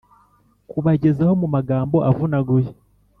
kubagezaho mu magambo avunaguye